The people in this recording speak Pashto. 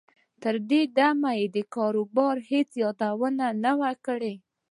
تر دې دمه یې د کاروبار هېڅ یادونه نه وه کړې